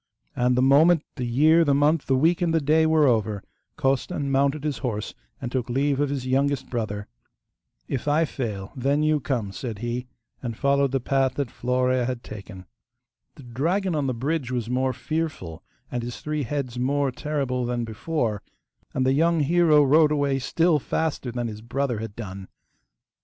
And the moment the year, the month, the week, and the day were over Costan mounted his horse and took leave of his youngest brother. 'If I fail, then you come,' said he, and followed the path that Florea had taken. The dragon on the bridge was more fearful and his three heads more terrible than before, and the young hero rode away still faster than his brother had done.